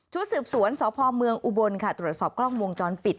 สืบสวนสพเมืองอุบลค่ะตรวจสอบกล้องวงจรปิด